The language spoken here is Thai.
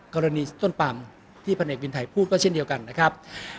กรณีต้นปัมที่พันเอกวินไทยพูดก็เช่นเดียวกันนะครับ